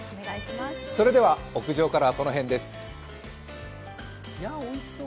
それでは、屋上からはこの辺で。